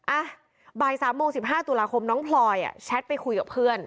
อ่ะบ่าย๓โมง๑๕ตุลาคมน้องพลอยแชทไปคุยกับเพื่อน